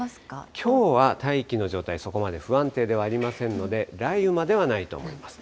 きょうは大気の状態、そこまで不安定ではありませんので、雷雨まではないと思います。